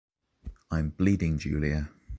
I’m bleeding Julia.